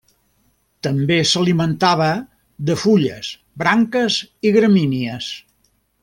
També s'alimentava de fulles, branques i gramínies.